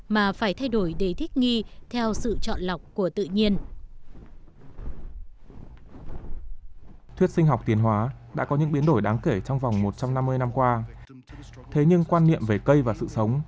mà phải thay đổi để thích nghi theo sự chọn lọc của tự nhiên